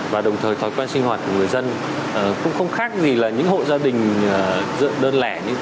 và đồng thời thói quen sinh hoạt của người dân cũng không khác gì là những hộ gia đình dựa đơn lẻ